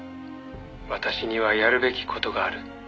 私にはやるべき事がある」